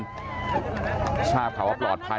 เพื่อนบ้านเจ้าหน้าที่อำรวจกู้ภัย